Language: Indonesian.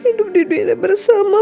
hidup di dunia bersama